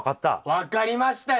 分かりましたよ。